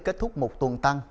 kết thúc một tuần tăng